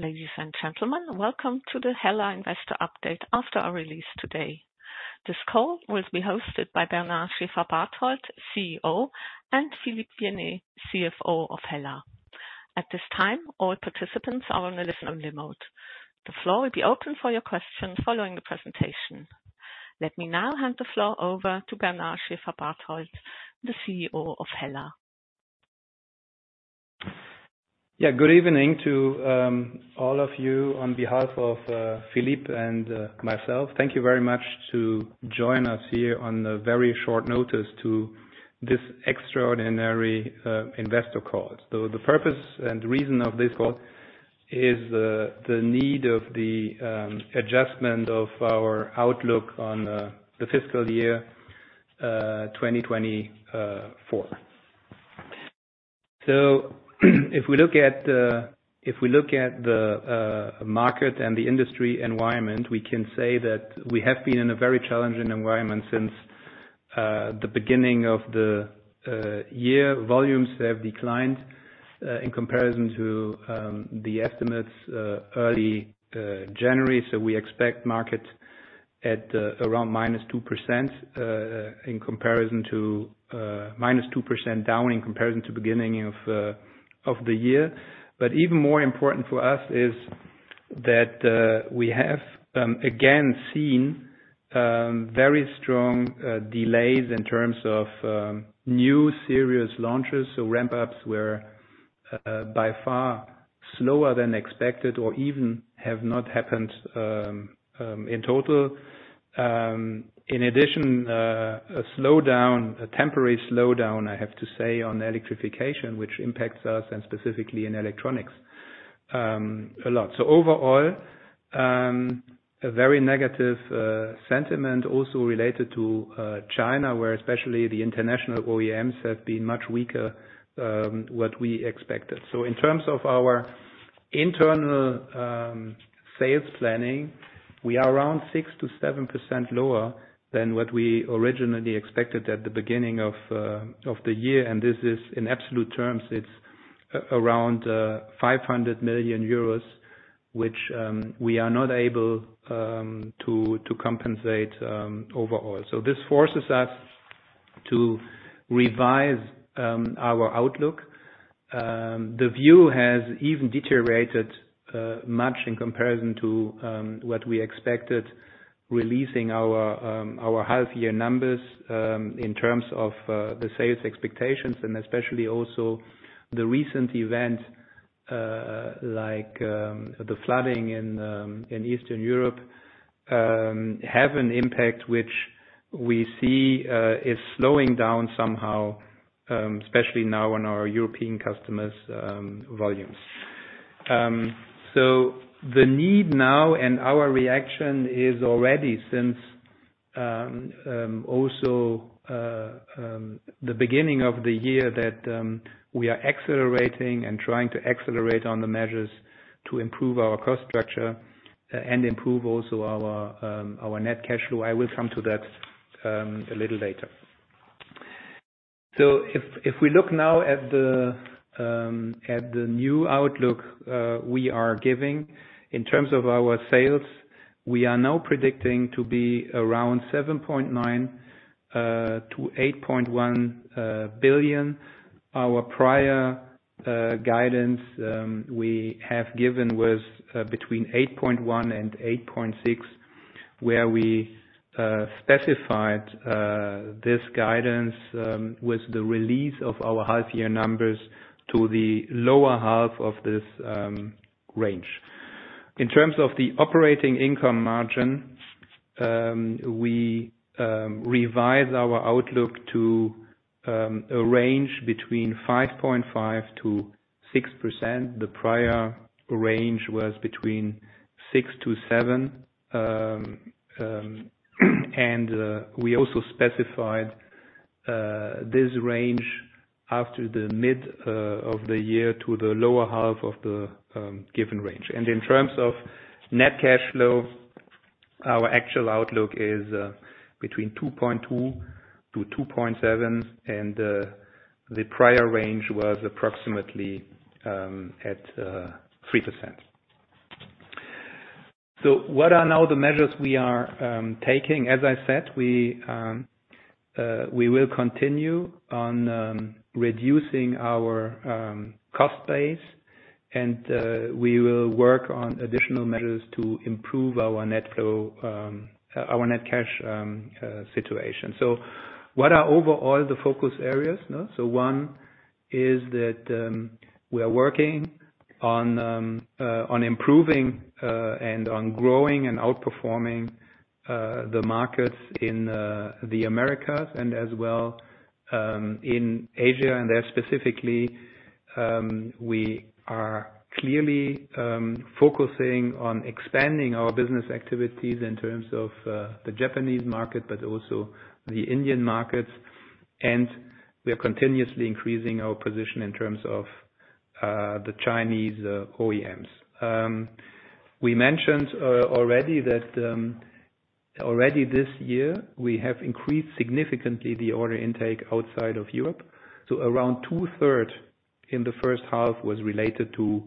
Ladies and gentlemen, welcome to the HELLA Investor Update after our release today. This call will be hosted by Bernard Schäfer-Barthold, CEO, and Philippe Bienais, CFO of HELLA. At this time, all participants are on a listen-only mode. The floor will be open for your questions following the presentation. Let me now hand the floor over to Bernard Schäfer-Barthold, the CEO of HELLA. Yeah, good evening to all of you on behalf of Philippe and myself. Thank you very much to join us here on a very short notice to this extraordinary investor call. So the purpose and reason of this call is the need of the adjustment of our outlook on the fiscal year 2024. So if we look at the market and the industry environment, we can say that we have been in a very challenging environment since the beginning of the year. Volumes have declined in comparison to the estimates early January. So we expect market at around -2% in comparison to -2% down in comparison to beginning of the year. But even more important for us is that we have again seen very strong delays in terms of new series launches. So ramp ups were by far slower than expected or even have not happened in total. In addition, a slowdown, a temporary slowdown, I have to say, on electrification, which impacts us and specifically in electronics a lot. So overall, a very negative sentiment also related to China, where especially the international OEMs have been much weaker than we expected. So in terms of our internal sales planning, we are around 6-7% lower than what we originally expected at the beginning of the year, and this is in absolute terms. It's around 500 million euros, which we are not able to compensate overall. So this forces us to revise our outlook. The view has even deteriorated much in comparison to what we expected releasing our half-year numbers in terms of the sales expectations, and especially also the recent event like the flooding in Eastern Europe have an impact, which we see is slowing down somehow, especially now on our European customers' volumes. So the need now and our reaction is already since also the beginning of the year that we are accelerating and trying to accelerate on the measures to improve our cost structure and improve also our net cash flow. I will come to that a little later. So if we look now at the new outlook we are giving in terms of our sales, we are now predicting to be around 7.9 billion-8.1 billion. Our prior guidance we have given was between 8.1 billion and 8.6 billion, where we specified this guidance with the release of our half-year numbers to the lower half of this range. In terms of the operating income margin, we revise our outlook to a range between 5.5%-6%. The prior range was between 6%-7%, and we also specified this range after the mid of the year to the lower half of the given range. And in terms of net cash flow, our actual outlook is between 2.2%-2.7%, and the prior range was approximately at 3%. So what are now the measures we are taking? As I said, we will continue on reducing our cost base, and we will work on additional measures to improve our net flow, our net cash situation. So what are overall the focus areas, huh? So one is that we are working on improving and on growing and outperforming the markets in the Americas and as well in Asia. And there, specifically, we are clearly focusing on expanding our business activities in terms of the Japanese market, but also the Indian markets. And we are continuously increasing our position in terms of the Chinese OEMs. We mentioned already that already this year we have increased significantly the order intake outside of Europe, so around two-thirds in the first half was related to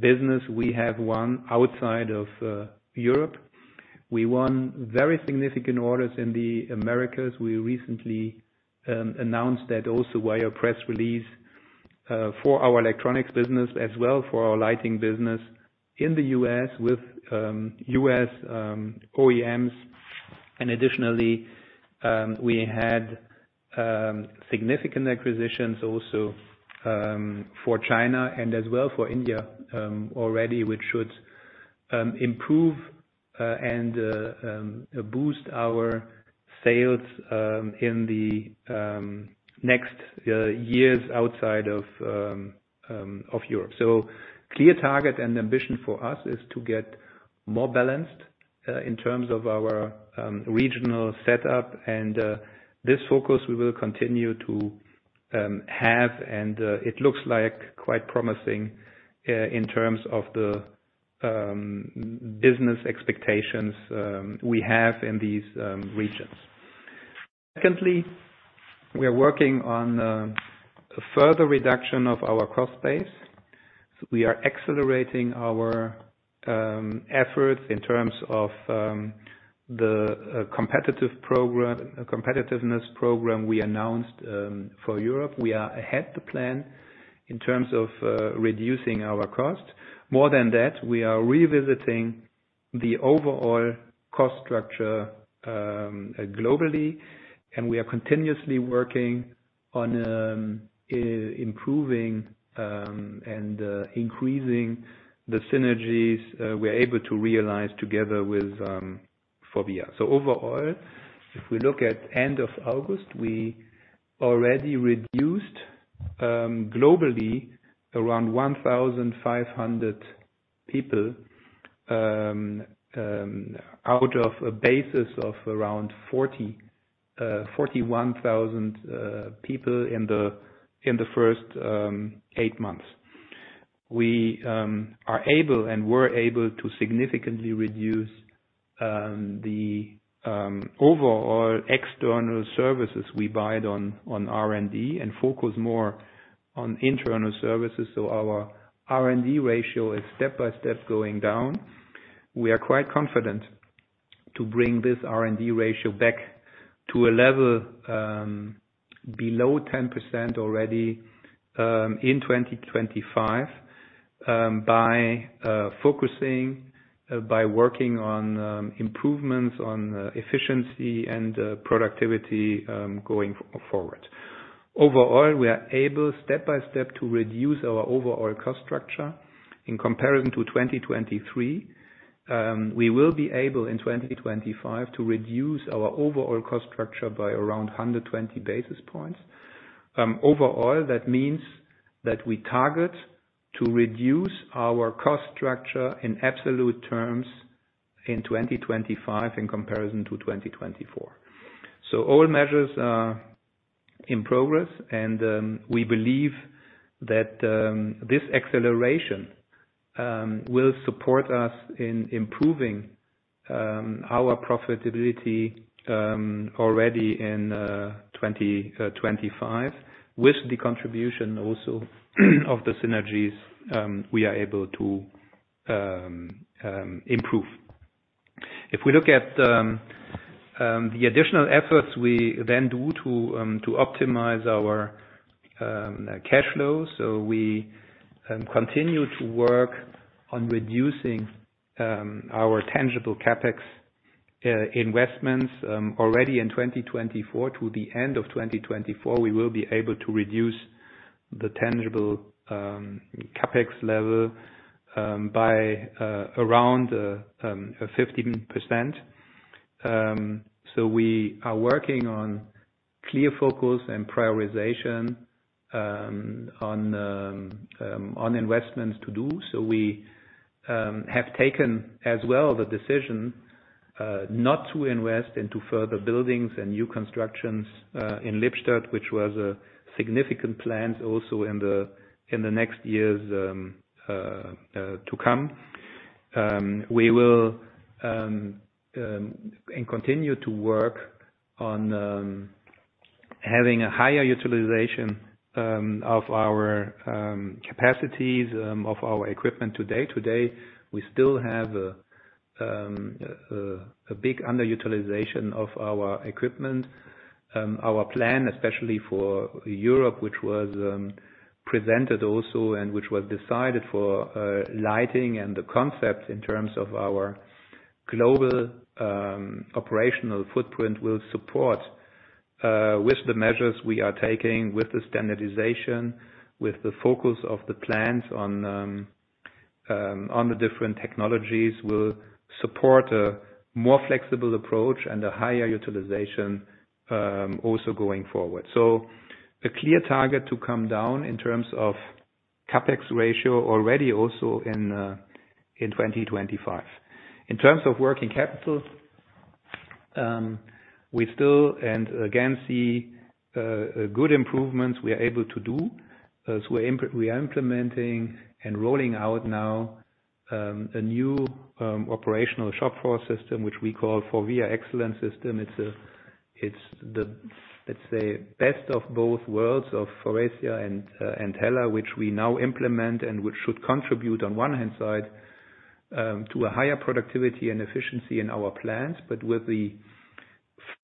business we have won outside of Europe. We won very significant orders in the Americas. We recently announced that also via press release for our electronics business as well, for our lighting business in the US with US OEMs. Additionally, we had significant acquisitions also for China and as well for India already, which should improve and boost our sales in the next years outside of Europe. Clear target and ambition for us is to get more balanced in terms of our regional setup. This focus we will continue to have, and it looks like quite promising in terms of the business expectations we have in these regions. Secondly, we are working on a further reduction of our cost base. We are accelerating our efforts in terms of the competitiveness program we announced for Europe. We are ahead the plan in terms of reducing our cost. More than that, we are revisiting the overall cost structure, globally, and we are continuously working on improving and increasing the synergies we're able to realize together with Faurecia. So overall, if we look at end of August, we already reduced globally around one thousand five hundred people out of a basis of around forty-one thousand people in the first eight months. We are able and we're able to significantly reduce the overall external services we buy on R&D and focus more on internal services. So our R&D ratio is step by step going down. We are quite confident to bring this R&D ratio back to a level below 10% already in 2025 by working on improvements on efficiency and productivity going forward. Overall, we are able step by step to reduce our overall cost structure in comparison to 2023. We will be able in 2025 to reduce our overall cost structure by around 120 basis points. Overall, that means that we target to reduce our cost structure in absolute terms in 2025 in comparison to 2024, so all measures are in progress, and we believe that this acceleration will support us in improving our profitability already in 2025 with the contribution also of the synergies we are able to improve. If we look at the additional efforts we then do to optimize our cash flow, so we continue to work on reducing our tangible CapEx investments already in 2024. To the end of 2024, we will be able to reduce the tangible CapEx level by around 15%. So we are working on clear focus and prioritization on investments to do so we have taken as well the decision not to invest into further buildings and new constructions in Lippstadt, which was a significant plan also in the next years to come. We will and continue to work on having a higher utilization of our capacities of our equipment today. Today, we still have a big underutilization of our equipment. Our plan, especially for Europe, which was presented also, and which was decided for lighting and the concept in terms of our global operational footprint, will support, with the measures we are taking, with the standardization, with the focus of the plans on the different technologies, will support a more flexible approach and a higher utilization also going forward. So a clear target to come down in terms of CapEx ratio already also in twenty twenty-five. In terms of working capital, we still and again see a good improvements we are able to do, as we are implementing and rolling out now a new operational shop floor system, which we call Forvia Excellence System. It's a, it's the, let's say, best of both worlds of Faurecia and Hella, which we now implement, and which should contribute, on one hand side, to a higher productivity and efficiency in our plants. But with the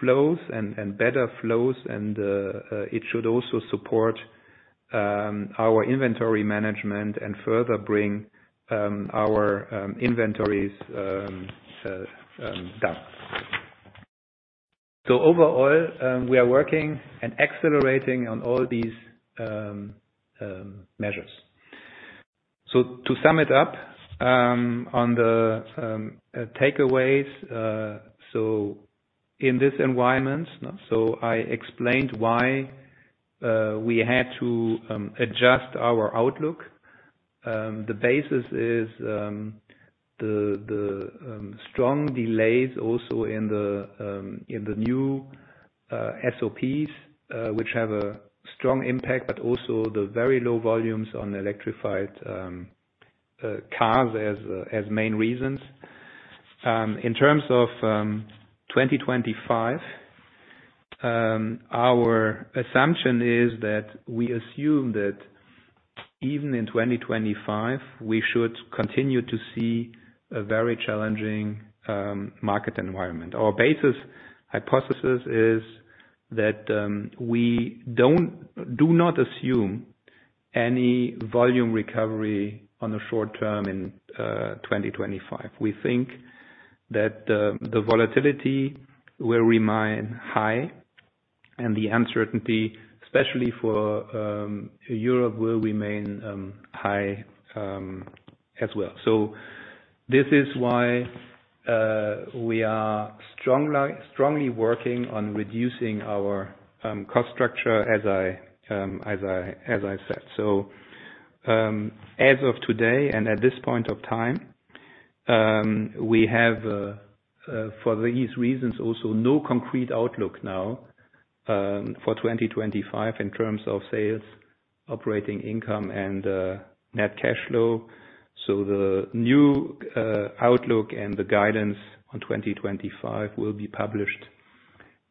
flows and better flows, it should also support our inventory management and further bring our inventories down. So overall, we are working and accelerating on all these measures. So to sum it up, on the takeaways, so in this environment, so I explained why we had to adjust our outlook. The basis is the strong delays also in the new SOPs, which have a strong impact, but also the very low volumes on electrified cars as main reasons. In terms of 2025, our assumption is that we assume that even in 2025, we should continue to see a very challenging market environment. Our basis hypothesis is that we do not assume any volume recovery on the short term in 2025. We think that the volatility will remain high, and the uncertainty, especially for Europe, will remain high as well. This is why we are strongly working on reducing our cost structure, as I said. So, as of today, and at this point of time, we have, for these reasons, also no concrete outlook now, for 2025 in terms of sales, operating income, and net cash flow. So the new outlook and the guidance on 2025 will be published,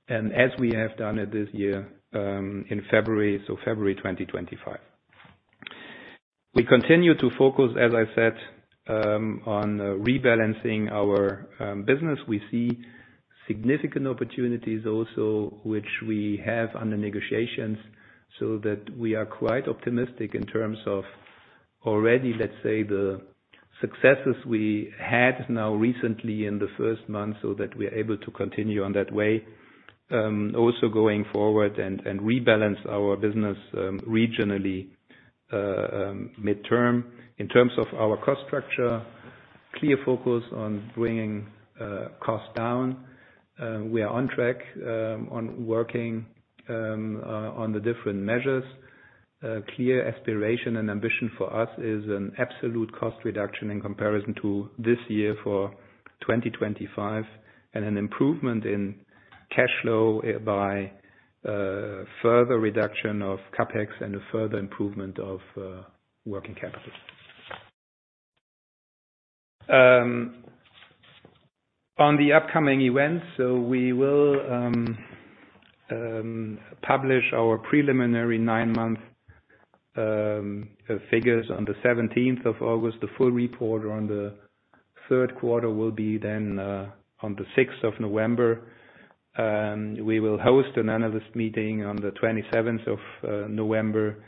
and as we have done it this year, in February, so February 2025. We continue to focus, as I said, on rebalancing our business. We see significant opportunities also, which we have under negotiations, so that we are quite optimistic in terms of already, let's say, the successes we had now recently in the first month, so that we're able to continue on that way, also going forward, and rebalance our business, regionally, midterm. In terms of our cost structure, clear focus on bringing costs down. We are on track on working on the different measures. A clear aspiration and ambition for us is an absolute cost reduction in comparison to this year for twenty twenty-five, and an improvement in cash flow by further reduction of CapEx and a further improvement of working capital. On the upcoming events, so we will publish our preliminary nine-month figures on the seventeenth of August. The full report on the third quarter will be then on the sixth of November. We will host an analyst meeting on the twenty-seventh of November.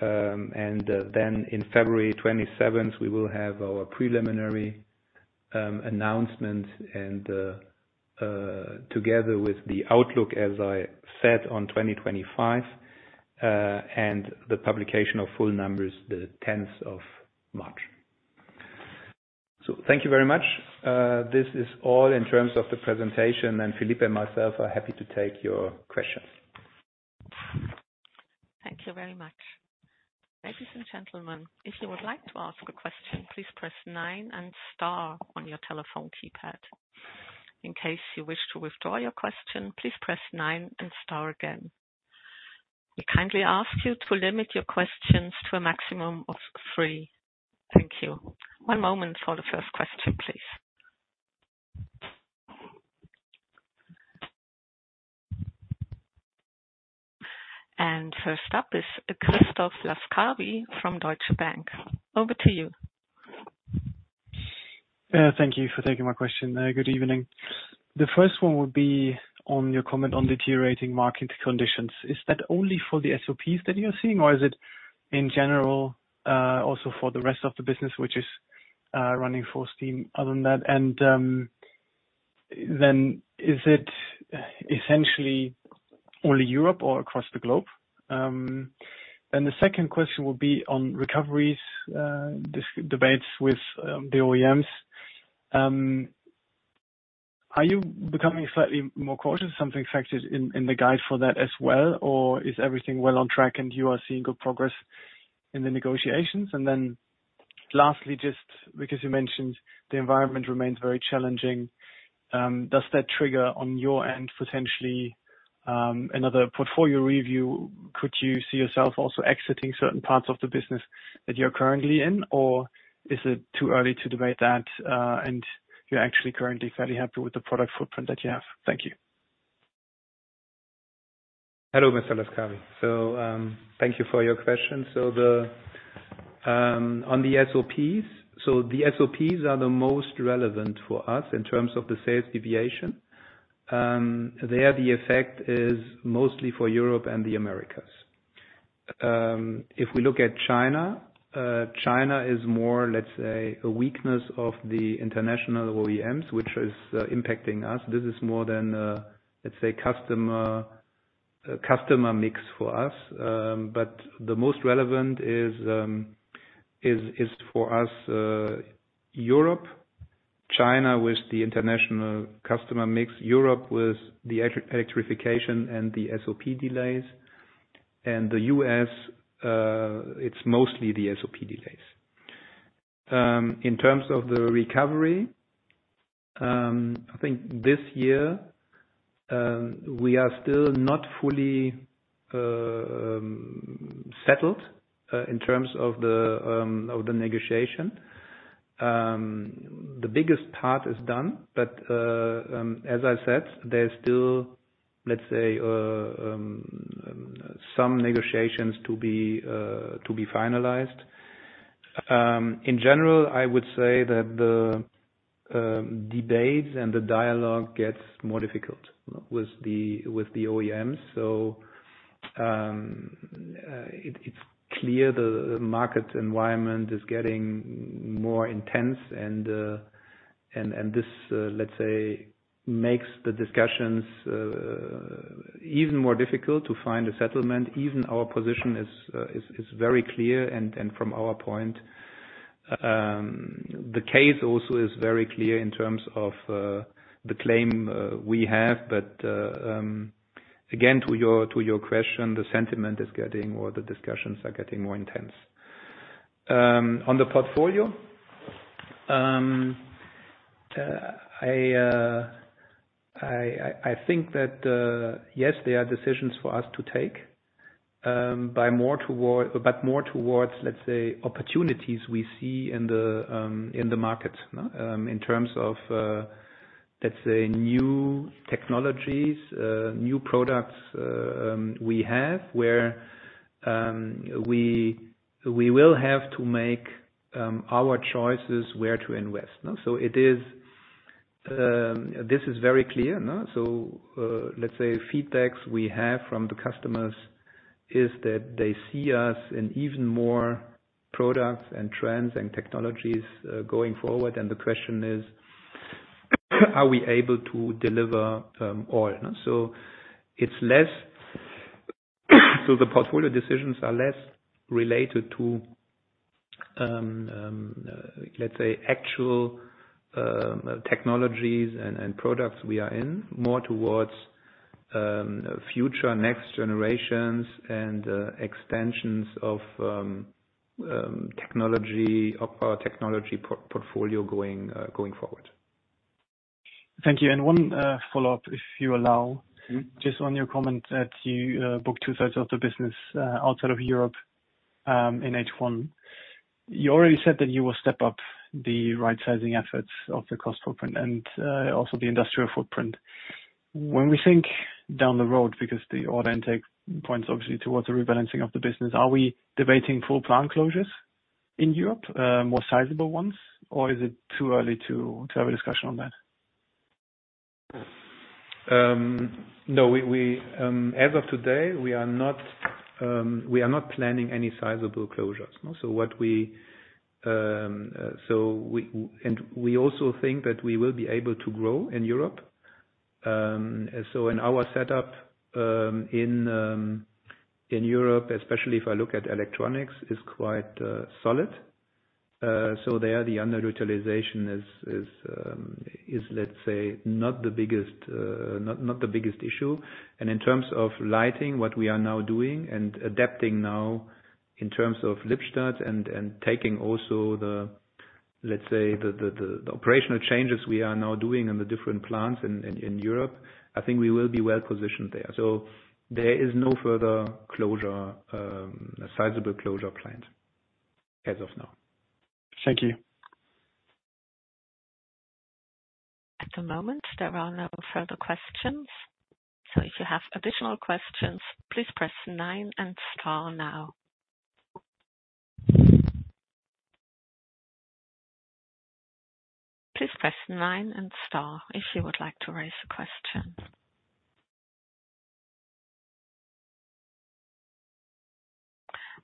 And then in February twenty-seventh, we will have our preliminary announcement, and together with the outlook, as I said, on twenty twenty-five, and the publication of full numbers, the tenth of March. So thank you very much. This is all in terms of the presentation, and Philippe and myself are happy to take your questions. Thank you very much. Ladies and gentlemen, if you would like to ask a question, please press nine and star on your telephone keypad. In case you wish to withdraw your question, please press nine and star again. We kindly ask you to limit your questions to a maximum of three. Thank you. One moment for the first question, please. And first up is Christoph Laskawi from Deutsche Bank. Over to you. Thank you for taking my question. Good evening. The first one will be on your comment on deteriorating market conditions. Is that only for the SOPs that you're seeing, or is it in general, also for the rest of the business, which is running full steam other than that? And then is it essentially only Europe or across the globe? Then the second question will be on recoveries, disputes with the OEMs. Are you becoming slightly more cautious, something factored in, in the guide for that as well, or is everything well on track and you are seeing good progress in the negotiations? And then lastly, just because you mentioned the environment remains very challenging. Does that trigger on your end, potentially, another portfolio review? Could you see yourself also exiting certain parts of the business that you're currently in, or is it too early to debate that, and you're actually currently fairly happy with the product footprint that you have? Thank you. Hello, Mr. Laskawi. So, thank you for your question. So the, on the SOPs, so the SOPs are the most relevant for us in terms of the sales deviation. There, the effect is mostly for Europe and the Americas. If we look at China, China is more, let's say, a weakness of the international OEMs, which is impacting us. This is more than, let's say, customer, customer mix for us. But the most relevant is for us, Europe, China, with the international customer mix, Europe with the electrification and the SOP delays, and the US, it's mostly the SOP delays. In terms of the recovery, I think this year, we are still not fully settled, in terms of the, of the negotiation. The biggest part is done, but as I said, there's still, let's say, some negotiations to be finalized. In general, I would say that the debates and the dialogue gets more difficult with the OEMs, so it's clear the market environment is getting more intense, and this, let's say, makes the discussions even more difficult to find a settlement, even our position is very clear, and from our point, the case also is very clear in terms of the claim we have, but again, to your question, the sentiment is getting, or the discussions are getting more intense. On the portfolio, I think that yes, there are decisions for us to take, but more towards, let's say, opportunities we see in the market, in terms of, let's say, new technologies, new products, we have where we will have to make our choices where to invest, no? So it is, this is very clear, no? So, let's say feedbacks we have from the customers is that they see us in even more products and trends and technologies, going forward, and the question is, are we able to deliver all, no? The portfolio decisions are less related to, let's say, actual technologies and products we are in, more towards future next generations and extensions of our technology portfolio going forward. Thank you. And one follow-up, if you allow. Mm-hmm. Just on your comment that you book two-thirds of the business outside of Europe in H1. You already said that you will step up the right-sizing efforts of the cost footprint and also the industrial footprint. When we think down the road, because the order intake points obviously towards the rebalancing of the business, are we debating full plant closures in Europe, more sizable ones, or is it too early to have a discussion on that? No, as of today, we are not planning any sizable closures, no. So we also think that we will be able to grow in Europe. So in our setup in Europe, especially if I look at electronics, is quite solid. So there, the underutilization is, let's say, not the biggest issue. And in terms of lighting, what we are now doing and adapting now in terms of Lippstadt and taking also the, let's say, the operational changes we are now doing in the different plants in Europe, I think we will be well positioned there. So there is no further sizable closure planned as of now. Thank you. At the moment, there are no further questions. So if you have additional questions, please press nine and star now. Please press nine and star if you would like to raise a question.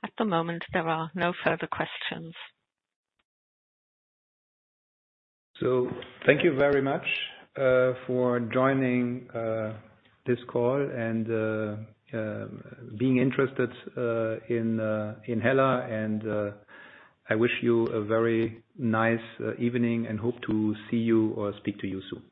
At the moment, there are no further questions. Thank you very much for joining this call and being interested in Hella. I wish you a very nice evening and hope to see you or speak to you soon. Thank you.